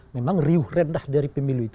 memang riuh rendah dari pemilu itu